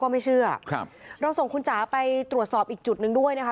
เราส่งคุณจะไปตรวจสอบอีกจุดหนึ่งด้วย